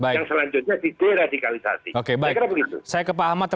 yang selanjutnya di deradikalisasi